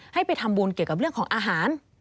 ให้ไปทำบุญเกี่ยวกับเรื่องของอาหาร